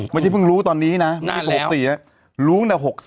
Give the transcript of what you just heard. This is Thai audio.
ไม่ใช่เพิ่งรู้ตอนนี้นะ๑๖๖๔เนี่ยรู้แต่๖๓